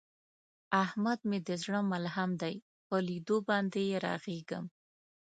احمد مې د زړه ملحم دی، په لیدو باندې یې رغېږم.